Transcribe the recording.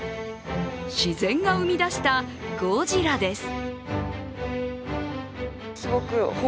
自然が生み出した、ゴジラです。